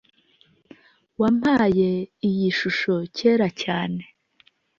Wampaye iyi shusho kera cyane.